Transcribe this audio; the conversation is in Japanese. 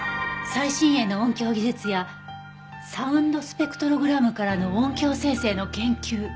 「最新鋭の音響技術やサウンドスペクトログラムからの音響生成の研究」？